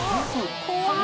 怖い！